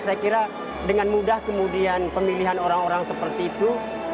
saya kira dengan mudah kemudian pemilihan orang orang seperti itu